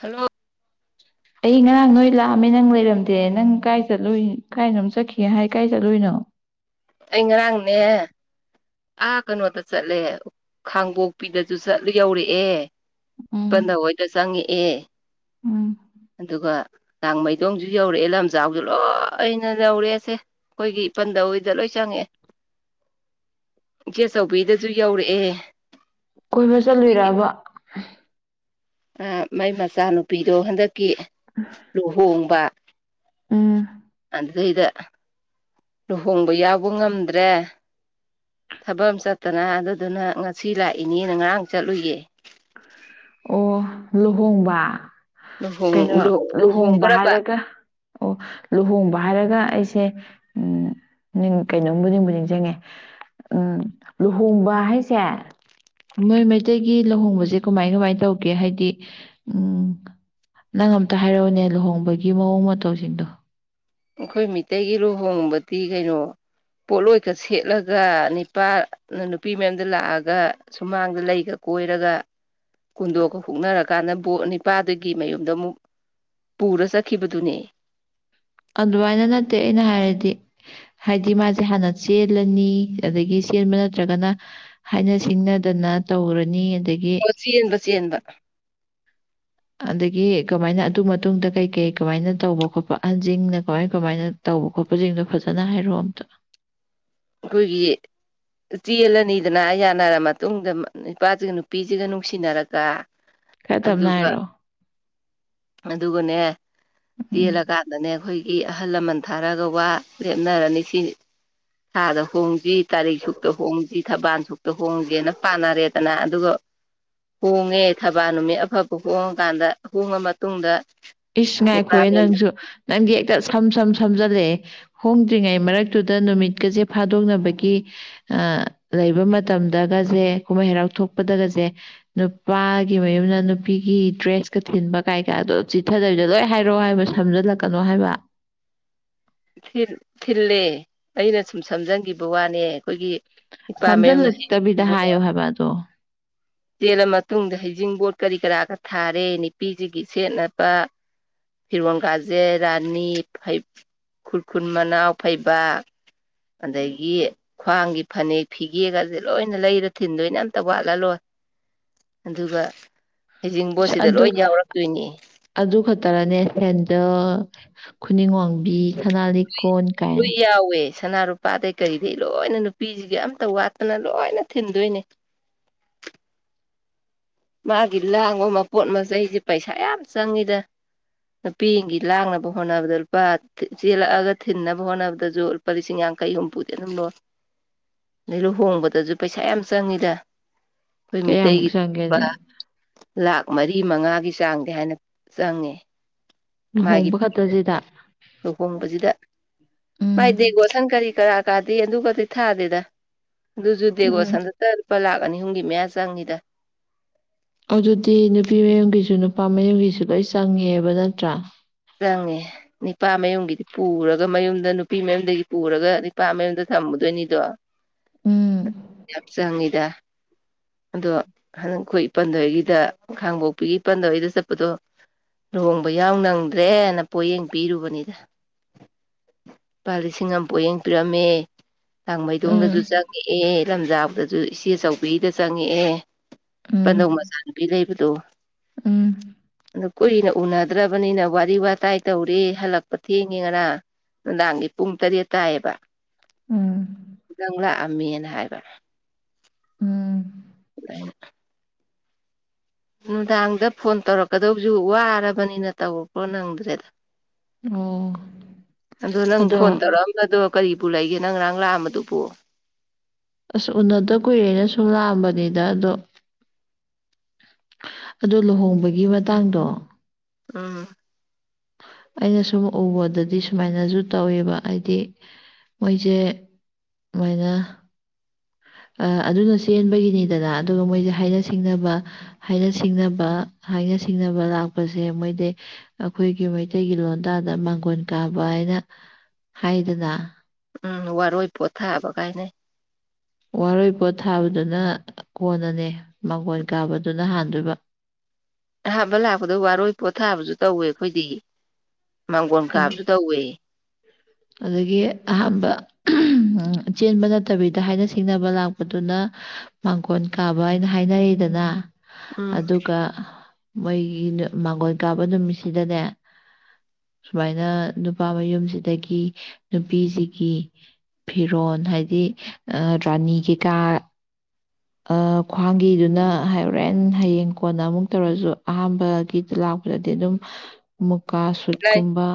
Hello ꯑꯩ ꯉꯔꯥꯡ ꯅꯣꯏ ꯂꯥꯛꯑꯝꯃꯦ ꯅꯪ ꯂꯩꯔꯝꯗꯦ ꯅꯪ ꯀꯥꯏ ꯆꯠꯂꯨꯢ ꯀꯥꯏꯅꯣꯝ ꯆꯠꯈꯤ ꯍꯥꯏ ꯀꯥꯏ ꯆꯠꯂꯨꯏꯅꯣ ꯑꯩ ꯉꯔꯥꯡꯅꯦ ꯑꯥ ꯀꯩꯅꯣꯗ ꯆꯠꯂꯦ ꯈꯥꯡꯕꯣꯛꯄꯤꯗꯁꯨ ꯆꯠꯂꯨꯏ ꯌꯧꯔꯛꯑꯦ ꯏꯄꯟ ꯎꯝ ꯊꯧ ꯈꯣꯏꯗ ꯆꯪꯉꯛꯑꯦ ꯎꯝ ꯑꯗꯨꯒ ꯇꯥꯡ ꯃꯩꯗꯣꯡꯁꯨ ꯌꯧꯔꯛꯑꯦ ꯂꯝꯖꯥꯎꯁꯨ ꯂꯣꯏꯅ ꯌꯧꯔꯛꯑꯦꯁꯦ ꯑꯩꯈꯣꯏꯒꯤ ꯏꯄꯟꯗꯧ ꯍꯣꯏꯗ ꯂꯣꯏ ꯆꯪꯉꯛꯑꯦ ꯏꯆꯦ ꯆꯧꯕꯤꯗꯁꯨ ꯌꯧꯔꯛꯑꯦ ꯀꯣꯏꯕ ꯆꯠꯂꯨꯏꯔꯕ ꯑꯥ ꯃꯥꯏ ꯃꯆꯥꯅꯨꯄꯤꯗꯣ ꯍꯟꯗꯛꯀꯤ ꯑꯑꯥ ꯂꯣꯍꯣꯡꯕ ꯎꯝ ꯑꯗꯨꯗꯩꯗ ꯂꯨꯍꯣꯡꯕ ꯌꯥꯎꯕ ꯉꯝꯗ꯭ꯔꯦ ꯊꯕꯛ ꯑꯃ ꯆꯠꯇꯅ ꯑꯗꯨꯗꯨꯅ ꯉꯁꯤ ꯂꯥꯛꯏꯅꯦꯅ ꯉꯔꯥꯡ ꯆꯠꯂꯨꯏꯌꯦ ꯑꯣ ꯂꯨꯍꯣꯡꯕ ꯂꯨꯍꯣꯡ ꯀꯩꯅꯣ ꯂꯨꯍꯣꯡꯕ ꯂꯨꯍꯣꯡꯈ꯭ꯔꯕ ꯍꯥꯏꯔꯒ ꯑꯣ ꯂꯨꯍꯣꯡꯕ ꯍꯥꯏꯔꯒ ꯑꯩꯁꯦ ꯎꯝ ꯅꯤꯡ ꯀꯩꯅꯣꯝꯕꯨ ꯅꯤꯡꯕꯨ ꯅꯤꯡꯖꯤꯡꯉꯦ ꯎꯝ ꯂꯨꯍꯣꯡꯕ ꯍꯥꯏꯁꯦ ꯃꯣꯏ ꯃꯩꯇꯩꯒꯤ ꯂꯨꯍꯣꯡꯕꯖꯦ ꯀꯃꯥꯏ ꯀꯃꯥꯏ ꯇꯧꯒꯦ ꯍꯥꯏꯗꯤ ꯎꯝ ꯅꯪ ꯑꯝꯇ ꯍꯥꯏꯔꯛꯎꯅꯦ ꯂꯨꯍꯣꯡꯕꯒꯤ ꯃꯑꯣꯡ ꯃꯇꯧꯁꯤꯡꯗꯣ ꯑꯩꯈꯣꯏ ꯃꯤꯇꯩꯒꯤ ꯂꯨꯍꯣꯡꯕꯗꯤ ꯀꯩꯅꯣ ꯄꯣꯠꯂꯣꯏꯀ ꯁꯦꯠꯂꯒ ꯅꯤꯄꯥꯅ ꯅꯨꯄꯤ ꯃꯌꯨꯝꯗ ꯂꯥꯛꯑꯒ ꯁꯨꯃꯥꯡꯗ ꯂꯩꯒ ꯀꯣꯏꯔꯒ ꯀꯨꯟꯗꯣꯛꯀ ꯍꯨꯛꯅꯔꯀꯥꯟꯗ ꯕꯣꯔ ꯅꯤꯄꯥꯗꯨꯒꯤ ꯃꯌꯨꯝꯗ ꯑꯃꯨꯛ ꯄꯨꯔꯥ ꯆꯠꯈꯤꯕꯗꯨꯅꯦ ꯑꯗꯨꯃꯥꯏꯅ ꯅꯠꯇꯦ ꯑꯩꯅ ꯍꯥꯏꯔꯗꯤ ꯍꯥꯏꯗꯤ ꯃꯥꯖꯦ ꯍꯥꯟꯅ ꯆꯦꯜꯂꯅꯤ ꯑꯗꯒꯤ ꯆꯦꯟꯕ ꯅꯠꯇ꯭ꯔꯒꯅ ꯍꯥꯏꯅ ꯁꯤꯡꯅꯗꯅ ꯇꯧꯔꯅꯤ ꯑꯗꯒꯤ ꯆꯦꯟꯕ ꯆꯦꯟꯕ ꯑꯗꯒꯤ ꯀꯃꯥꯏꯅ ꯑꯗꯨ ꯃꯇꯨꯡꯗ ꯀꯩ ꯀꯩ ꯀꯃꯥꯏꯅ ꯇꯧꯕ ꯈꯣꯠꯄ ꯑꯍꯟꯖꯤꯡꯅ ꯀꯃꯥꯏ ꯀꯃꯥꯏꯅ ꯇꯧꯕ ꯈꯣꯠꯄꯁꯤꯡꯗꯣ ꯐꯖꯅ ꯍꯥꯏꯔꯛꯑꯣ ꯑꯝꯇ ꯑꯩꯈꯣꯏꯒꯤ ꯆꯦꯜꯂꯅꯤꯗꯅ ꯌꯥꯅꯔ ꯃꯇꯨꯡꯗ ꯅꯨꯄꯥꯁꯤꯒ ꯅꯨꯄꯤꯁꯤꯒ ꯅꯨꯡꯁꯤꯅꯔꯒ [inaudible] ꯈꯔ ꯇꯞꯅ ꯑꯗꯨꯒ ꯍꯥꯏꯔꯛꯑꯣ ꯑꯗꯨꯒꯅꯦ ꯎꯝ ꯆꯦꯜꯂꯀꯥꯟꯗꯅꯦ ꯑꯩꯈꯣꯏꯒꯤ ꯑꯍꯜ ꯂꯃꯟ ꯊꯥꯔꯛ ꯑꯒ ꯋꯥ ꯂꯦꯞꯅꯔꯅꯤ ꯁꯤꯅꯤ ꯊꯥꯗ ꯍꯣꯡꯁꯤ ꯇꯥꯔꯤꯛ ꯁꯨꯛꯇ ꯍꯣꯡꯁꯤ ꯊꯕꯥꯜ ꯁꯨꯛꯇ ꯍꯣꯡꯖꯦꯅ ꯄꯥꯟꯅꯔꯦꯗꯅ ꯑꯗꯨꯒ ꯍꯣꯡꯉꯦ ꯊꯕꯥꯜ ꯅꯨꯃꯤꯠ ꯑꯐꯕ ꯍꯣꯡꯉꯀꯥꯟꯗ ꯍꯣꯡꯉ ꯃꯇꯨꯡꯗ ꯏꯁ ꯉꯥꯏꯈꯣ ꯅꯤꯄꯥ ꯍꯦ ꯃꯌꯨꯝꯗ ꯅꯪꯁꯨ ꯅꯪꯗꯤ ꯍꯦꯛꯇ ꯁꯝ ꯁꯝ ꯁꯝꯖꯜꯂꯛꯑꯦ ꯍꯣꯡꯗ꯭ꯔꯤꯉꯩ ꯃꯔꯛꯇꯨꯗ ꯅꯨꯃꯤꯠꯀꯁꯦ ꯐꯥꯗꯣꯛꯅꯕꯒꯤ ꯑꯥ ꯂꯩꯕ ꯃꯇꯝꯗꯒꯁꯦ ꯀꯨꯝꯍꯩ ꯍꯔꯥꯎ ꯊꯣꯛꯄꯗꯒꯁꯦ ꯅꯨꯄꯥꯒꯤ ꯃꯌꯨꯝꯅ ꯅꯨꯄꯤꯒꯤ ꯗ꯭ꯔꯦꯁꯀ ꯊꯤꯟꯕ ꯀꯥꯏꯀꯥꯗꯣ ꯆꯤꯊꯗꯕꯤꯗ ꯂꯣꯏ ꯍꯥꯏꯔꯛꯑꯣ ꯍꯥꯏꯕ ꯁꯝꯖꯜꯂꯛꯀꯅꯣ ꯍꯥꯏꯕ ꯊꯤꯜꯂꯦ ꯑꯩꯅ ꯁꯨꯝ ꯁꯝꯖꯟꯈꯤꯕ ꯋꯥꯅꯦ ꯑꯩꯈꯣꯏꯒꯤ ꯏꯄꯥ ꯃꯌꯨꯝꯅ ꯍꯩꯖꯤꯡ ꯁꯝꯖꯜꯂꯛꯇꯕꯤꯗ ꯄꯣꯠ [unintelligible] ꯆꯦꯜꯂ ꯃꯇꯨꯡꯗ ꯍꯩꯖꯤꯡꯄꯣꯠ ꯀꯔꯤ ꯀꯔꯥꯒ ꯊꯥꯔꯦ ꯅꯨꯄꯤꯁꯤꯒꯤ ꯁꯦꯠꯅꯕ ꯐꯤꯔꯣꯟ ꯀꯖꯦ ꯔꯥꯅꯤ ꯈꯨꯔꯈꯨꯟ ꯃꯅꯥꯎ ꯐꯩꯕꯥꯛ ꯑꯗꯒꯤ ꯈ꯭ꯋꯥꯡꯒꯤ ꯐꯅꯦꯛ ꯐꯤꯒꯦꯒꯁꯦ ꯂꯣꯏꯅ ꯂꯩꯔ ꯊꯤꯟꯗꯣꯏꯅꯦ ꯑꯝꯇ ꯋꯥꯠꯍꯜꯂꯣꯏ ꯑꯗꯨꯒ ꯑꯁ ꯍꯩꯖꯤꯡꯕꯣꯠꯁꯤꯗ ꯑꯗꯨ ꯂꯣꯏ ꯌꯥꯎꯔꯛꯇꯣꯏꯅꯦ ꯑꯗꯨ ꯈꯛꯇꯔꯅꯦ ꯁꯦꯟꯗꯜ ꯈꯨꯅꯤꯡ ꯋꯥꯡꯕꯤ ꯁꯅꯥ ꯂꯤꯛꯀꯣꯟ ꯀꯥꯏꯅ ꯂꯣꯏ ꯌꯥꯎꯋꯦ ꯁꯅꯥꯂꯨꯄꯥꯗꯩ ꯀꯩꯗꯩ ꯂꯣꯏꯅ ꯅꯨꯄꯤꯖꯤꯒꯤ ꯑꯝꯇ ꯋꯥꯠꯇꯅ ꯂꯣꯏꯅ ꯊꯤꯟꯗꯣꯏꯅꯦ ꯃꯥꯒꯤ ꯂꯥꯡꯕ ꯃꯄꯣꯠ ꯃꯆꯩꯖꯦ ꯄꯩꯁꯥ ꯌꯥꯝ ꯆꯪꯉꯤꯗ ꯅꯨꯄꯤꯒꯤ ꯂꯥꯡꯅꯕ ꯍꯣꯠꯅꯕꯗ ꯂꯨꯄꯥ ꯆꯦꯜꯂꯥꯛꯑꯒ ꯊꯤꯟꯅꯕ ꯍꯣꯠꯅꯕꯗꯖꯨ ꯂꯨꯄꯥ ꯂꯤꯁꯤꯡ ꯌꯥꯡꯈꯩ ꯍꯨꯝꯐꯨꯗꯤ ꯑꯗꯨꯝ ꯂꯣꯏ ꯑꯗꯩ ꯂꯨꯍꯣꯡꯕꯗꯖꯨ ꯄꯩꯁꯥ ꯌꯥꯝ ꯆꯪꯉꯤꯗ ꯑꯩꯈꯣꯏ ꯀꯌꯥꯃꯨꯛ ꯃꯤꯇꯩꯒꯤ ꯂꯨꯄꯥ ꯆꯪꯒꯦꯅꯦ ꯂꯥꯛ ꯃꯔꯤ ꯃꯉꯥꯒꯤ ꯆꯥꯡꯗꯤ ꯍꯥꯏꯅ ꯆꯪꯉꯦ ꯃꯥꯒꯤ ꯂꯨꯍꯣꯡꯕ ꯈꯛꯇꯁꯤꯗ ꯂꯨꯍꯣꯡꯕꯖꯤꯗ ꯎꯝ ꯃꯥꯏ ꯗꯦꯕꯣꯁꯟ ꯀꯔꯤ ꯀꯔꯥ ꯀꯥꯗꯤ ꯑꯗꯨꯀꯇꯤ ꯊꯥꯗꯦꯗ ꯑꯗꯨꯖꯨ ꯎꯝ ꯗꯦꯀꯣꯁꯟꯗꯇ ꯂꯨꯄꯥ ꯂꯥꯛ ꯑꯅꯤ ꯑꯍꯨꯝꯒꯤ ꯃꯌꯥ ꯆꯪꯉꯤꯗ ꯑꯗꯨꯗꯤ ꯅꯨꯄꯤ ꯃꯌꯨꯝꯒꯤꯖꯨ ꯅꯨꯄꯥ ꯃꯌꯨꯝꯒꯤꯖꯨ ꯂꯣꯏ ꯆꯪꯉꯦꯕ ꯅꯠꯇ꯭ꯔꯥ ꯆꯪꯉꯦ ꯅꯤꯄꯥ ꯃꯌꯨꯝꯒꯤꯗꯤ ꯄꯨꯔꯒ ꯃꯌꯨꯝꯗ ꯅꯨꯄꯤ ꯃꯌꯨꯝꯗꯒꯤ ꯄꯨꯔꯒ ꯅꯤꯄꯥ ꯃꯌꯨꯝꯗ ꯊꯝꯃꯨꯗꯣꯏꯅꯤꯗꯣ ꯎꯝ ꯌꯥꯝ ꯆꯪꯉꯤꯗ ꯑꯗꯣ ꯍꯥꯟꯗꯛ ꯑꯩꯈꯣꯏ ꯏꯄꯟ ꯍꯣꯏꯒꯤꯗ ꯈꯥꯡꯕꯣꯛꯄꯤꯒꯤ ꯏꯄꯥꯟꯗꯩ ꯍꯣꯏꯗ ꯆꯠꯄꯗꯣ ꯂꯨꯍꯣꯡꯕ ꯌꯥꯎ ꯅꯪꯗ꯭ꯔꯦꯅ ꯄꯣꯠꯌꯦꯡ ꯄꯤꯔꯨꯕꯅꯤꯗ ꯂꯨꯄꯥ ꯂꯤꯁꯤꯡ ꯑꯃ ꯄꯣꯌꯦꯡ ꯄꯤꯔꯝꯃꯦ ꯎꯝ ꯂꯪꯡꯃꯩꯗꯣꯡꯗꯖꯨ ꯆꯪꯉꯛꯑꯦ ꯂꯝꯖꯥꯎꯗꯖꯨ ꯏꯆꯦꯆꯧꯕꯤꯒꯤꯗ ꯆꯪꯉꯛꯑꯦ ꯎꯝ ꯏꯄꯟꯗꯧ ꯃꯆꯥꯅꯨꯨꯄꯤ ꯂꯩꯕꯗꯣ ꯎꯝ [unintelligible] ꯀꯨꯏꯅ ꯎꯅꯗ꯭ꯔꯕꯅꯤꯅ ꯋꯥꯠ ꯋꯥꯔꯤ ꯋꯥꯇꯥꯏ ꯇꯧꯔꯦ ꯍꯜꯂꯛꯄ ꯊꯦꯡꯉꯦ ꯉꯔꯥꯡ ꯅꯨꯡꯗꯥꯡꯒꯤ ꯄꯨꯡ ꯇꯔꯦꯠ ꯇꯥꯏꯌꯦꯕ ꯎꯝ ꯅꯪ ꯂꯥꯛꯑꯝꯃꯦꯅ ꯍꯥꯏꯕ ꯎꯝ [inaudible] ꯅꯨꯡꯗꯥꯡꯗ ꯐꯣꯟ ꯇꯧꯔꯛꯀꯗꯕꯖꯨ ꯋꯥꯔꯕꯅꯤꯅ ꯇꯧꯔꯛꯄ ꯅꯪꯗ꯭ꯔꯦꯗ ꯑꯣ ꯑꯗꯨ ꯅꯪ ꯑꯗꯣ ꯐꯣꯟ ꯇꯧꯔꯛꯑꯝ ꯕꯗꯣ ꯀꯔꯤꯕꯨ ꯂꯩꯒꯦ ꯅꯪ ꯉꯔꯥꯡ ꯂꯥꯛꯑꯝꯕꯗꯨꯕꯨ ꯑꯁ ꯎꯅꯗ ꯀꯨꯏꯔꯦꯅ ꯁꯨꯝ ꯂꯥꯛꯑꯝꯕꯅꯤꯗ ꯑꯗꯣ ꯑꯗꯣ ꯂꯨꯍꯣꯡꯕꯒꯤ ꯃꯇꯥꯡꯗꯣ ꯎꯝ ꯑꯩꯅ ꯁꯨꯝ ꯎꯕꯗꯗꯤ ꯁꯨꯃꯥꯏꯅꯖꯨ ꯇꯧꯋꯦꯕ ꯍꯥꯏꯗꯤ ꯃꯣꯏꯖꯦ ꯁꯨꯃꯥꯏꯅ ꯑ ꯑꯗꯨꯅ ꯆꯦꯟꯕꯒꯤꯅꯤꯗꯅ ꯑꯗꯨꯒ ꯃꯣꯏꯖꯦ ꯍꯥꯏꯅ ꯁꯤꯡꯅꯕ ꯍꯥꯏꯅ ꯁꯤꯡꯅꯕ ꯍꯥꯏꯅ ꯁꯤꯡꯅꯕ ꯂꯥꯛꯄꯖꯦ ꯃꯣꯏꯗꯤ ꯑꯩꯈꯣꯏꯒꯤ ꯃꯩꯇꯩꯒꯤ ꯂꯣꯟꯗꯥꯗ ꯃꯥꯡꯒꯣꯟ ꯀꯥꯕ ꯍꯥꯏꯅ ꯍꯥꯏꯗꯅ ꯎꯝ ꯋꯥꯔꯣꯏ ꯄꯣꯠ ꯊꯥꯕ ꯀꯥꯏꯅ ꯍꯥꯏꯅꯩ ꯋꯥꯔꯣꯏ ꯄꯣꯠ ꯊꯥꯕꯗꯨꯅ ꯀꯣꯟꯅꯅꯦ ꯃꯥꯡꯒꯣꯟ ꯀꯥꯕꯗꯨꯅ ꯍꯥꯟꯗꯣꯏꯕ ꯑꯍꯥꯟꯕ ꯂꯥꯛꯄꯗ ꯋꯥꯔꯣꯏ ꯄꯣꯠꯊꯥꯕꯖꯨ ꯇꯧꯋꯦ ꯑꯩꯈꯣꯏꯗꯤ ꯃꯥꯡꯒꯣꯟ ꯑꯗ- ꯀꯥꯕꯖꯨ ꯇꯧꯋꯦ [inaudible] ꯑꯗꯒꯤ ꯑꯍꯥꯝꯕ ꯑꯍꯝ ꯆꯦꯟꯕ ꯅꯠꯇꯕꯤꯗ ꯍꯥꯏꯅ ꯁꯤꯡꯅꯕ ꯂꯥꯛꯄꯗꯨꯅ ꯃꯥꯡꯒꯣꯟ ꯀꯥꯕ ꯍꯥꯏꯅ ꯍꯥꯏꯅꯩꯗꯅ ꯎꯝ ꯑꯗꯨꯒ ꯃꯣꯏꯒꯤ ꯃꯥꯡꯒꯣꯟ ꯀꯥꯕ ꯅꯨꯃꯤꯠꯁꯤꯗꯅꯦ ꯁꯨꯃꯥꯏꯅ ꯅꯨꯄꯥ ꯃꯌꯨꯝꯁꯤꯗꯒꯤ ꯅꯨꯄꯤꯁꯤꯒꯤ ꯐꯤꯔꯣꯟ ꯍꯥꯏꯗꯤ ꯑꯥ ꯔꯥꯅꯤ ꯀꯩ ꯀꯥ ꯑꯥ ꯈ꯭ꯋꯥꯡꯒꯤꯗꯨꯅ ꯍꯣꯔꯦꯟ ꯍꯌꯦꯡ ꯀꯣꯟꯅ ꯑꯃꯨꯛ ꯇꯧꯔꯖꯨ ꯑꯍꯥꯝꯕꯒꯤꯗ ꯂꯥꯛꯄꯗꯗꯤ ꯑꯗꯨꯝ [inaudible] ꯃꯨꯀꯥ ꯁꯨꯠ ꯂꯩ ꯀꯨꯝꯕ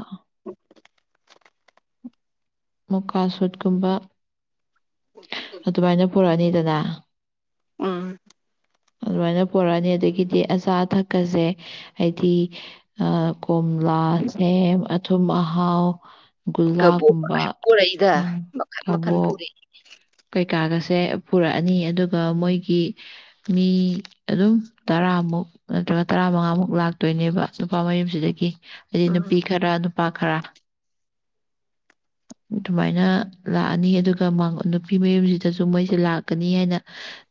ꯃꯨꯀꯥ ꯁꯨꯠ ꯀꯨꯝꯕ ꯑꯗꯨꯃꯥꯏꯅ ꯄꯨꯔꯛꯑꯅꯤꯗꯅ ꯎꯝ ꯑꯗꯨꯃꯥꯏꯅ ꯄꯨꯔꯛ ꯑꯅꯤ ꯑꯗꯒꯤꯗꯤ [unintelligible] ꯑꯆꯥ ꯑꯊꯛꯀꯁꯦ ꯍꯥꯏꯗꯤ ꯑꯥ ꯀꯣꯝꯂꯥ ꯁꯦꯝ ꯑꯊꯨꯝ ꯑꯍꯥꯎ ꯀꯕꯣꯛꯀ ꯃꯌꯥꯝ ꯒꯨꯜꯂꯥꯒꯨꯝꯕ ꯄꯨꯔꯛꯏꯗ ꯎꯝ ꯃꯈꯟ ꯃꯈꯟ ꯀꯕꯣꯛ ꯄꯨꯔꯛꯏ ꯀꯩꯀꯥꯒꯁꯦ ꯄꯨꯔꯛꯑꯅꯤ ꯑꯗꯨꯒ ꯃꯣꯏꯒꯤ ꯃꯤ ꯑꯗꯨꯝ ꯇꯔꯥꯃꯨꯛ ꯅꯠꯇ꯭ꯔꯒ ꯇꯔꯥꯃꯉꯥꯃꯨꯛ ꯂꯥꯛꯇꯣꯏꯅꯦꯕ ꯅꯨꯄꯥ ꯃꯌꯨꯝꯁꯤꯗꯒꯤ ꯍꯥꯏꯗꯤ ꯎꯝ ꯅꯨꯄꯤ ꯈꯔ ꯅꯨꯄꯥ ꯈꯔ ꯑꯗꯨꯃꯥꯏꯅ ꯂꯥꯛꯑꯅꯤ ꯑꯗꯨꯒ ꯃꯥꯡꯒꯣꯟꯗꯨ ꯅꯨꯄꯤ ꯃꯌꯨꯝꯁꯤꯗꯁꯨ ꯃꯣꯏꯁꯦ ꯂꯥꯛꯀꯅꯤ ꯍꯥꯏꯅ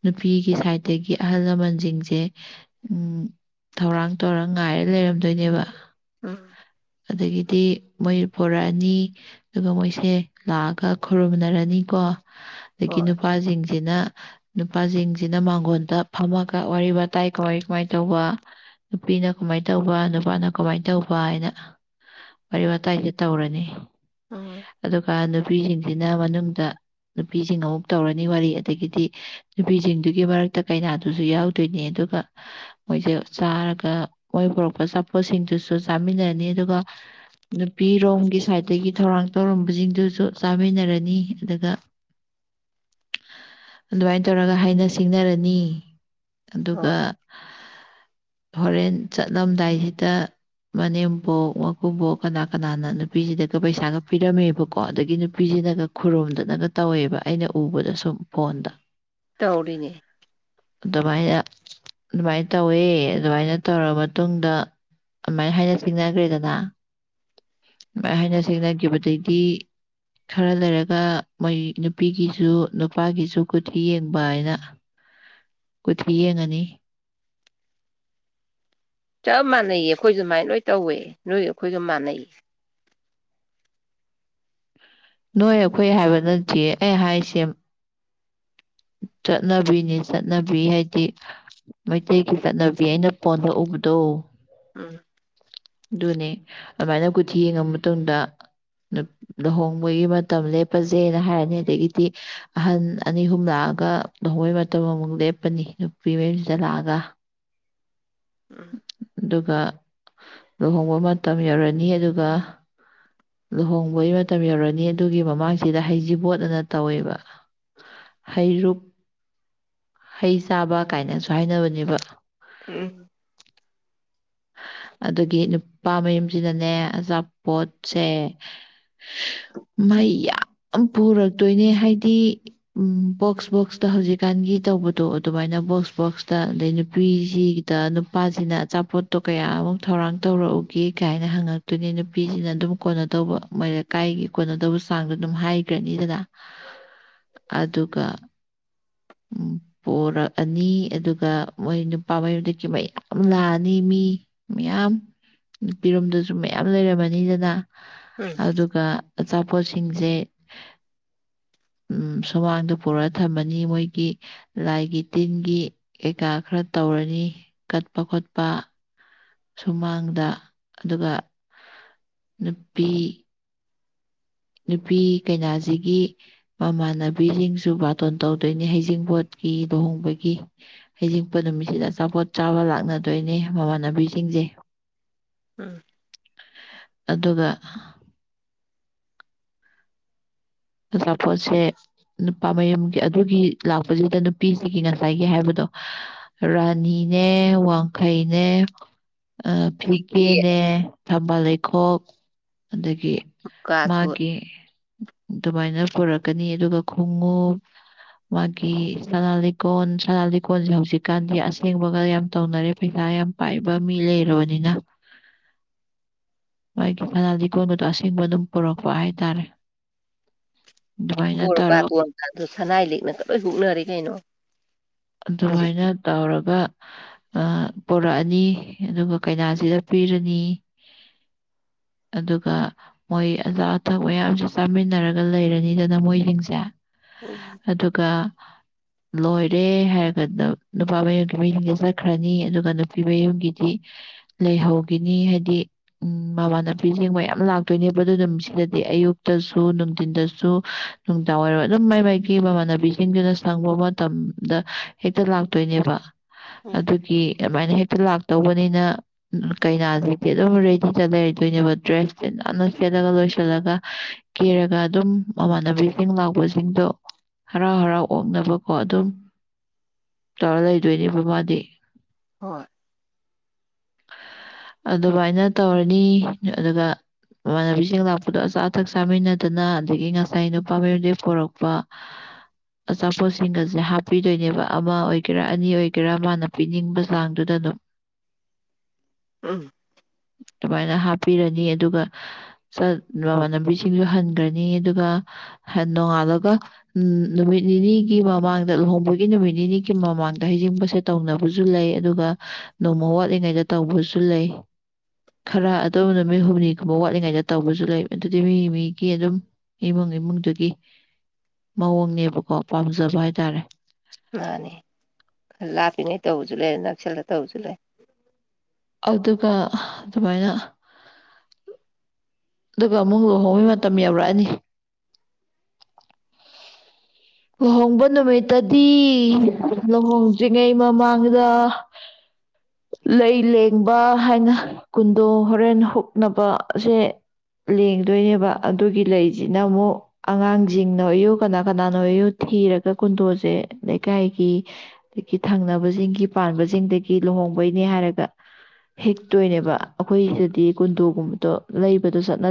ꯅꯨꯄꯤꯒꯤ ꯁꯥꯏꯠꯇꯒꯤ ꯑꯍꯜ ꯂꯃꯟꯁꯤꯡꯁꯦ ꯎꯝ ꯊꯧꯔꯥꯡ ꯇꯧꯔꯥ ꯉꯥꯏꯔ ꯂꯩꯔꯝꯗꯣꯏꯅꯦꯕ ꯎꯝ ꯑꯗꯒꯤꯗꯤ ꯃꯣꯏ ꯄꯣꯔꯛ ꯑꯅꯤ ꯑꯗꯨꯒ ꯃꯣꯏꯁꯦ ꯂꯥꯛꯑꯒ ꯈꯨꯔꯨꯝꯅꯔꯅꯤꯀꯣ ꯑꯗꯒꯤ ꯍꯣꯏ ꯅꯨꯄꯥꯖꯤꯡꯁꯤꯅ ꯅꯨꯄꯥꯖꯤꯡꯁꯤꯅ ꯃꯥꯡꯒꯣꯟꯗ ꯐꯝꯃꯒ ꯋꯥꯔꯤ ꯋꯥꯇꯥꯏ ꯀꯃꯥꯏ ꯀꯃꯥꯏꯅ ꯇꯧꯕꯥ ꯅꯨꯄꯤꯅ ꯀꯃꯥꯏꯅ ꯇꯧꯕ ꯅꯨꯄꯥꯅ ꯀꯃꯥꯏ ꯇꯧꯕ ꯍꯥꯏꯅ ꯋꯥꯔꯤ ꯋꯥꯇꯥꯏꯒ ꯇꯧꯔꯅꯤ꯫ ꯎꯝ꯫ ꯑꯗꯨꯒ ꯅꯨꯄꯤꯁꯤꯡꯁꯤꯅ ꯃꯅꯨꯡꯗ ꯅꯨꯄꯤꯁꯤꯡ ꯑꯃꯨꯛ ꯇꯧꯔꯅꯤ ꯋꯥꯔꯤ ꯑꯗꯒꯤꯗꯤ ꯅꯨꯄꯤꯁꯤꯡꯗꯨꯒꯤ ꯃꯔꯛꯇ ꯀꯩꯅꯥꯗꯨꯁꯨ ꯌꯥꯎꯗꯣꯏꯅꯦ ꯑꯗꯨꯒ ꯃꯣꯏꯖꯦ ꯆꯥꯔꯒ ꯃꯣꯏ ꯄꯨꯣꯔꯛꯄ ꯑꯆꯥꯄꯣꯠꯁꯤꯡꯗꯨꯁꯨ ꯆꯥꯃꯤꯟꯅꯔꯅꯤ ꯑꯗꯨꯒ ꯅꯨꯄꯤꯔꯣꯝꯒꯤ ꯁꯥꯏꯠꯇꯒꯤ ꯊꯧꯔꯥꯡ ꯇꯧꯔꯝꯕꯁꯤꯡꯗꯨꯁꯨ ꯆꯥꯃꯤꯟꯅꯔꯅꯤ ꯑꯗꯨꯒ ꯑꯗꯨꯃꯥꯏꯅ ꯇꯧꯔꯒ ꯍꯥꯏꯅ ꯁꯤꯡꯅꯔꯅꯤ ꯑꯗꯨꯒ [inaudible] ꯍꯣꯔꯦꯟ ꯆꯠꯂꯝꯗꯥꯏꯁꯤꯗ ꯃꯅꯦꯝꯕꯣꯛ ꯃꯀꯨꯕꯣꯛ ꯀꯅꯥ ꯀꯅꯥꯅ ꯅꯨꯄꯤꯁꯤꯗꯒ ꯄꯩꯁꯥꯒ ꯄꯤꯔꯝꯃꯦꯕꯀꯣ ꯑꯗꯒꯤ ꯅꯨꯄꯤꯁꯤꯅꯒ ꯈꯨꯔꯨꯝꯗꯅꯒ ꯇꯧꯋꯦꯕ ꯑꯩꯅ ꯎꯕꯗ ꯁꯨꯝ ꯐꯣꯟꯗ꯫ ꯇꯧꯔꯤꯅꯦ꯫ ꯑꯗꯨꯃꯥꯏꯅ ꯑꯗꯨꯃꯥꯏꯅ ꯇꯧꯋꯦ ꯑꯗꯨꯃꯥꯏꯅ ꯇꯧꯔꯥ ꯃꯇꯨꯡꯗ ꯑꯗꯨꯃꯥꯏꯅ ꯍꯥꯏꯅ ꯁꯤꯡꯅꯈ꯭ꯔꯦꯗꯅꯥ꯫ ꯑꯗꯨꯃꯥꯏ ꯍꯥꯏꯅ ꯁꯤꯡꯅꯈꯤꯕ ꯗꯩꯗꯤ ꯈꯔ ꯂꯩꯔꯒ ꯃꯣꯏ ꯅꯨꯄꯤꯒꯤꯁꯨ ꯅꯨꯄꯥꯒꯤꯁꯨ ꯀꯨꯊꯤ ꯌꯦꯡꯕ ꯍꯥꯏꯅ ꯀꯨꯊꯤ ꯌꯦꯡꯉꯅꯤ꯫ ꯆꯞ ꯃꯥꯟꯅꯩꯌꯦ ꯑꯩꯈꯣꯏꯁꯨꯨꯃꯥꯏꯅ ꯂꯣꯏ ꯇꯧꯋꯦ ꯅꯣꯏꯒ ꯑꯩꯈꯣꯏꯒ ꯃꯥꯟꯅꯩ꯫ ꯅꯣꯏ ꯑꯩꯈꯣꯏ ꯍꯥꯏꯕ ꯅꯠꯇꯤꯌꯦ ꯑꯩ ꯍꯥꯏꯁꯦ ꯆꯠꯅꯕꯤꯅꯦ ꯆꯠꯅꯕꯤ ꯍꯥꯏꯗꯤ ꯃꯩꯇꯩꯒꯤ ꯆꯠꯅꯕꯤ ꯑꯩꯅ ꯐꯣꯟꯗ ꯎꯕꯗꯣ꯫ ꯎꯝ꯫ ꯑꯗꯨꯅꯦ ꯑꯗꯨꯃꯥꯏꯅ ꯀꯨꯊꯤ ꯌꯦꯡꯉꯕ ꯃꯇꯨꯡꯗ ꯅꯨꯞ ꯂꯨꯍꯣꯡꯕꯒꯤ ꯃꯇꯝ ꯂꯦꯞꯄꯖꯦꯅ ꯍꯥꯏꯔꯅꯤ ꯑꯗꯒꯤꯗꯤ ꯑꯍꯟ ꯑꯅꯤ ꯑꯍꯨꯝ ꯂꯥꯛꯑꯒ ꯂꯨꯍꯣꯡꯕꯒꯤ ꯃꯇꯝ ꯑꯃꯨꯛ ꯂꯦꯞꯄꯅꯤ ꯅꯨꯄꯤ ꯃꯌꯨꯝꯁꯤꯗ ꯂꯥꯛ ꯑꯒ꯫ [inaudible] ꯎꯝ ꯑꯗꯨꯒ ꯂꯨꯍꯣꯡꯕ ꯃꯇꯝ ꯌꯧꯔꯅꯤ ꯑꯗꯨꯒ ꯂꯨꯍꯣꯡꯕꯒꯤ ꯃꯇꯝ ꯌꯧꯔꯅꯤ ꯑꯗꯨꯒꯤ ꯃꯃꯥꯡꯁꯤꯗ ꯍꯩꯖꯤꯕꯣꯠ ꯑꯅ ꯇꯧꯋꯦꯕ꯫ ꯍꯩꯔꯨꯛ ꯍꯩ ꯆꯥꯕ ꯀꯥꯏꯅꯁꯨ ꯍꯥꯏꯅꯕꯅꯦꯕ꯫ ꯎꯝ꯫ ꯑꯗꯨꯒꯤ ꯅꯨꯄꯥ ꯃꯌꯨꯝꯁꯤꯗꯅꯦ ꯑꯆꯥꯄꯣꯠꯁꯦ [inaudible] ꯃꯩ ꯌꯥꯝ ꯄꯨꯔꯛꯇꯣꯏꯅꯦ ꯍꯥꯏꯗꯤ ꯎꯝ ꯕꯣꯛꯁ ꯕꯣꯛꯁꯇ ꯍꯧꯖꯤꯛꯀꯥꯟꯒꯤ ꯇꯧꯕꯗꯣ ꯑꯗꯨꯃꯥꯏꯅ ꯕꯣꯛꯁ ꯕꯣꯛꯁꯇ ꯑꯗꯩ ꯅꯨꯄꯤꯁꯤꯒꯤ ꯗ ꯅꯨꯄꯥꯖꯤꯅ ꯑꯆꯥꯄꯣꯠ ꯇꯣ ꯀꯌꯥꯃꯨꯛ ꯊꯧꯔꯥꯡ ꯇꯧꯔꯛꯎꯒꯦ ꯒꯥꯏꯅ ꯍꯪꯉꯛꯇꯣꯏꯅꯤ ꯅꯨꯄꯤꯁꯤꯅ ꯑꯗꯨꯝ ꯀꯣꯟꯅ ꯇꯧꯕ ꯃꯔꯛ ꯀꯥꯏꯒꯤ ꯀꯣꯟꯅꯗꯧꯕ ꯆꯥꯡꯗꯣ ꯑꯗꯨꯝ ꯍꯥꯏꯒ꯭ꯔꯅꯤꯗꯅ꯫ [inaudible] ꯑꯗꯨꯒ ꯎꯝ [inaudible] ꯄꯣꯔꯛꯑꯅꯤ ꯑꯗꯨꯒ ꯃꯣꯏ ꯅꯨꯄꯥ ꯃꯌꯨꯝꯗꯒꯤ ꯃꯌꯥꯝ ꯂꯥꯛꯑꯅꯤ꯫ ꯃꯤ ꯃꯌꯥꯝ ꯅꯨꯄꯤꯔꯣꯝꯗꯁꯨ ꯃꯌꯥꯝ ꯂꯩꯔꯝꯃꯅꯤꯗꯅ ꯎꯝ ꯑꯗꯨꯒ ꯑꯆꯥꯄꯣꯠꯁꯤꯡꯖꯦ ꯎꯝ ꯁꯨꯃꯥꯡꯗ ꯄꯨꯔꯥ ꯊꯝꯃꯅꯤ ꯃꯣꯏꯒꯤ ꯂꯥꯏꯒꯤ ꯇꯤꯟꯒꯤ ꯀꯩꯀꯥ ꯈꯔ ꯇꯧꯔꯅꯤ ꯀꯠꯄ ꯈꯣꯠꯄ ꯁꯨꯃꯥꯡꯗ ꯑꯗꯨꯒ ꯅꯨꯄꯤ ꯅꯨꯄꯤ ꯀꯩꯅꯥꯖꯤꯒꯤ ꯃꯃꯥꯟꯅꯕꯤꯖꯤꯡꯖꯨ ꯕꯥꯇꯣꯟ ꯇꯧꯗꯣꯏꯅꯤ ꯍꯩꯖꯤꯡꯕꯣꯠꯀꯤ ꯂꯨꯍꯣꯡꯕꯒꯤ ꯍꯩꯖꯤꯡꯄꯣꯠ ꯅꯨꯃꯤꯠꯁꯤꯗ ꯑꯆꯥꯄꯣꯠ ꯆꯥꯕ ꯂꯥꯛꯅꯗꯣꯏꯅꯦ ꯃꯃꯥꯟꯅꯕꯤꯖꯤꯡꯖꯦ ꯎꯝ ꯑꯗꯨꯒ ꯑꯆꯥꯄꯣꯠꯁꯦ ꯅꯨꯄꯥ ꯃꯌꯨꯝꯒꯤ ꯑꯗꯨꯒꯤ ꯂꯥꯛꯄꯁꯤꯗ ꯅꯨꯄꯤꯁꯤꯒꯤ ꯉꯁꯥꯏꯒꯤ ꯍꯥꯏꯕꯗꯣ ꯔꯥꯅꯤꯅꯦ ꯋꯥꯡꯈꯩꯅꯦ ꯑ ꯀꯦꯛ ꯐꯤꯒꯦꯅꯦ ꯊꯝꯕꯥꯜ ꯂꯩꯈꯣꯛ ꯑꯗꯒꯤ ꯀꯥꯁꯨ ꯃꯥꯒꯤ ꯑꯗꯨꯃꯥꯏꯅ ꯄꯨꯔꯛꯀꯅꯤ ꯑꯗꯨꯒ ꯈꯣꯡꯎꯞ ꯃꯥꯒꯤ ꯁꯅꯥ ꯂꯤꯀꯣꯟ ꯁꯅꯥ ꯂꯤꯀꯣꯟꯖꯦ ꯍꯧꯖꯤꯛꯀꯥꯟꯗꯤ ꯑꯁꯦꯡꯕꯒ ꯌꯥꯝ ꯇꯨꯅꯔꯦ ꯄꯩꯁꯥ ꯌꯥꯝ ꯄꯥꯏꯕ ꯃꯤ ꯂꯩꯔꯕꯅꯤꯅ [inaudible] ꯃꯥꯒꯤ ꯐꯅꯦ ꯂꯤꯀꯣꯟꯒꯗꯣ ꯑꯁꯦꯡꯕ ꯑꯗꯨꯝ ꯄꯨꯔꯛꯄ ꯍꯥꯏꯇꯥꯔꯦ ꯑꯗꯨꯃꯥꯏꯅ ꯕꯣꯔ ꯇꯧꯔꯒ ꯕꯥꯔꯇꯣꯟ ꯀꯗꯣ ꯁꯅꯥꯏ ꯂꯥꯛꯅꯒ ꯂꯣꯏ ꯍꯨꯛꯅꯔꯦ ꯀꯩꯅꯣ ꯍꯧꯖꯤꯛꯇꯤ ꯑꯗꯨꯃꯥꯏꯅ ꯇꯧꯔꯒ ꯑ ꯄꯣꯔꯛꯑꯅꯤ ꯑꯗꯨꯒ ꯀꯩꯅꯥꯁꯤꯗ ꯄꯤꯔꯅꯤ ꯑꯗꯨꯒ ꯃꯣꯏ ꯑꯆꯥ ꯑꯊꯛ ꯃꯌꯥꯝꯁꯦ ꯆꯥꯃꯤꯟꯅꯔꯒ ꯂꯩꯔꯅꯤꯗꯅ ꯃꯣꯏꯁꯤꯡꯖꯦ ꯎꯝ ꯑꯗꯨꯒ ꯂꯣꯏꯠ ꯔꯦ ꯍꯥꯏꯔꯒꯅ ꯅꯨꯄꯥ ꯃꯌꯨꯝꯒꯤ ꯃꯤꯁꯤꯡꯖꯤ ꯆꯠꯈ꯭ꯔꯅꯤ ꯑꯗꯨꯒ ꯅꯨꯄꯤ ꯃꯌꯨꯝꯒꯤꯗꯤ ꯂꯩꯍꯧꯒꯤꯅꯤ ꯍꯥꯏꯗꯤ ꯎꯝ ꯃꯃꯥꯟꯅꯕꯤꯁꯤꯡ ꯃꯌꯥꯝ ꯂꯥꯛꯇꯣꯏꯅꯦꯕ ꯑꯗꯨ ꯅꯨꯃꯤꯠꯁꯤꯗꯗꯤ ꯑꯌꯨꯛꯇꯁꯨ ꯅꯨꯡꯊꯤꯟꯗꯁꯨ ꯅꯨꯡꯗꯥꯥꯎ ꯑꯣꯏꯔꯣ ꯑꯗꯨꯝ ꯃꯥꯏ ꯃꯥꯏꯀꯤ ꯃꯃꯥꯟꯅꯕꯤꯁꯤꯡꯗꯨꯅ ꯁꯪꯕ ꯃꯇꯝ ꯗ ꯍꯦꯛꯇ ꯂꯥꯛꯇꯣꯏꯅꯦꯕ ꯎꯝ ꯑꯗꯨꯒꯤ ꯑꯗꯨꯃꯥꯏꯅ ꯍꯦꯛꯇ ꯂꯥꯛꯇꯧꯕꯅꯤꯅ ꯀꯩꯅꯥꯁꯤꯗꯤ ꯑꯗꯨꯝ ꯔꯦꯗꯤꯗ ꯂꯩꯔꯗꯣꯏꯅꯦꯕ ꯗ꯭ꯔꯦꯁꯁꯦ ꯅꯥꯟꯅ ꯁꯦꯠꯂꯒ ꯂꯣꯏꯁꯤꯜꯂꯒ ꯀꯦꯔꯒ ꯑꯗꯨꯝ ꯃꯃꯥꯟꯅꯕꯤꯖꯤꯡ ꯂꯥꯛꯄꯁꯤꯡꯗꯣ ꯍꯔꯥꯎ ꯍꯔꯥꯎ ꯑꯣꯛꯅꯕꯀꯣ ꯑꯗꯨꯝ ꯇꯧꯔ ꯂꯩꯗꯣꯏꯅꯦꯕ ꯃꯥꯗꯤ ꯍꯣꯏ ꯑꯗꯨꯃꯥꯏꯅ ꯇꯧꯔꯅꯤ ꯑꯗꯨꯒ ꯃꯃꯥꯟꯅꯕꯤꯁꯤꯡ ꯂꯥꯛꯄꯗꯣ ꯑꯆꯥ ꯑꯊꯛ ꯆꯥꯃꯤꯟꯅꯗꯅ ꯑꯗꯒꯤ ꯉꯁꯥꯏ ꯅꯨꯄꯥ ꯃꯌꯨꯝꯗꯒꯩ ꯄꯣꯔꯛꯄ [inaudible] ꯑꯆꯥꯄꯣꯠꯁꯤꯡꯒꯁꯦ ꯍꯥꯞ ꯄꯤꯗꯣꯏꯅꯦꯕ ꯑꯃ ꯑꯣꯏꯒꯦꯔꯥ ꯑꯅꯤ ꯑꯣꯏꯒꯦꯔꯥ ꯃꯥꯅ ꯄꯤꯅꯤꯡꯕ ꯆꯥꯡꯗꯨꯗ ꯑꯗꯨꯝ ꯑꯝ ꯑꯗꯨꯃꯥꯏꯅ ꯍꯥꯞꯄꯤꯔꯅꯤ ꯑꯗꯨꯒ ꯆꯠ ꯃꯃꯥꯟꯅꯕꯤꯁꯤꯡꯁꯨ ꯍꯟꯒ꯭ꯔꯅꯤ ꯑꯗꯨꯒ ꯍꯟ ꯅꯣꯡꯉꯥꯜꯂꯒ ꯎꯝ ꯅꯨꯃꯤꯠ ꯅꯤꯅꯤꯒꯤ ꯃꯃꯥꯡ ꯂꯨꯍꯣꯡꯕꯒꯤ ꯅꯨꯃꯤꯠ ꯅꯤꯅꯤꯒꯤ ꯃꯃꯥꯡꯗ ꯍꯩꯖꯤꯡꯄꯣꯠꯁꯦ ꯇꯧꯅꯕꯁꯨ ꯂꯩ ꯑꯗꯨꯒ ꯅꯣꯡꯃ ꯋꯥꯠꯂꯤꯉꯩꯗ ꯇꯧꯕꯁꯨ ꯂꯩ ꯈꯔ ꯑꯗꯨꯝ ꯅꯨꯃꯤꯠ ꯍꯨꯝꯅꯤꯒꯨꯝꯕ ꯋꯥꯠꯂꯤꯉꯩꯗ ꯇꯧꯕꯁꯨ ꯂꯩ ꯑꯗꯨꯗꯤ ꯃꯤ ꯃꯤꯒꯤ ꯑꯗꯨꯝ ꯏꯃꯨꯡ ꯏꯃꯨꯡꯗꯨꯒꯤ ꯃꯑꯣꯡꯅꯦꯕꯀꯣ ꯄꯥꯝꯖꯕ ꯍꯥꯏꯇꯥꯔꯦ ꯃꯥꯟꯅꯤ ꯂꯥꯞꯄꯤꯉꯩ ꯇꯧꯕꯁꯨ ꯂꯩ ꯅꯛꯁꯜꯂ ꯇꯧꯕꯁꯨ ꯂꯩ ꯑꯗꯨꯒ ꯍꯥ ꯑꯗꯨꯃꯥꯏꯅ ꯑꯗꯨꯒ ꯑꯃꯨꯛ ꯂꯨꯍꯣꯡꯕꯩ ꯃꯇꯝ ꯌꯧꯔꯛꯑꯅꯤ ꯂꯨꯍꯣꯡꯕ ꯅꯨꯃꯤꯠꯇꯗꯤ ꯂꯨꯍꯣꯡꯗ꯭ꯔꯤꯉꯩ ꯃꯃꯥꯡꯗ [inaudible] ꯂꯩ ꯂꯦꯡꯕ ꯍꯥꯏꯅ ꯀꯨꯟꯗꯣ ꯍꯣꯔꯦꯟ ꯍꯨꯛꯅꯕꯁꯦ ꯂꯦꯡꯗꯣꯏꯅꯦꯕ ꯑꯗꯨꯒꯤ ꯂꯩꯖꯤꯅ ꯑꯃꯨꯛ ꯑꯉꯥꯡꯖꯤꯡꯅ ꯑꯌꯨꯛ ꯀꯅꯥ ꯀꯅꯥ ꯅꯣꯏ ꯌꯨ ꯊꯤꯔꯒ ꯀꯨꯟꯗꯣꯁꯦ ꯂꯩꯀꯥꯏꯒꯤ [unintelligible] ꯊꯪꯅꯕꯖꯤꯡꯒꯤ ꯄꯥꯟꯕꯖꯤꯡꯗꯒꯤ ꯂꯨꯍꯣꯡꯕꯩꯅꯦ ꯍꯥꯏꯔꯒ ꯍꯦꯛꯇꯣꯏꯅꯦꯕ ꯑꯈꯣꯏ ꯁꯤꯗꯗꯤ ꯀꯨꯗꯣꯒꯨꯝꯕꯗꯣ ꯂꯩꯕꯗꯣ ꯆꯠꯅ